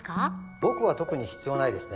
僕は特に必要ないですね。